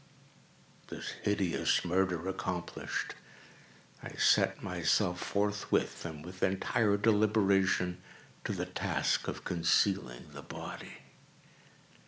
This hideous murder accomplished, I set myself forthwith, and with entire deliberation, to the task of concealing the body.